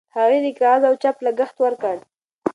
هغې د کاغذ او چاپ لګښت ورکړ.